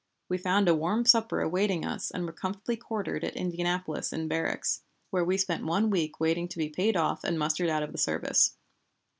We found a warm supper awaiting us and were comfortably quartered at Indianapolis in barracks, where we spent one week waiting to be paid off and mustered out of the service.